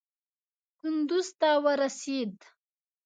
کندوز ته ورسېد.